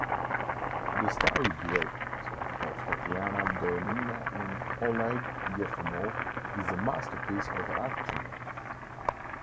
The starry duet of Tatiana Doronina and Oleg Yefremov is a masterpiece of acting.